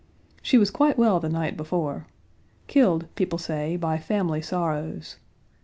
She was quite well the night before. Killed, people say, by family sorrows.